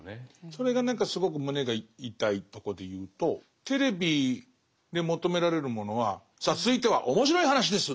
それが何かすごく胸が痛いとこで言うとテレビで求められるものは「さあ続いては面白い話です！」